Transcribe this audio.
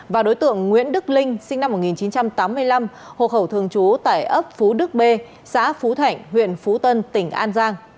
và đối tượng nguyễn đức linh sinh năm một nghìn chín trăm tám mươi năm hộ khẩu thường trú tại ấp phú đức b xã phú thạnh huyện phú tân tỉnh an giang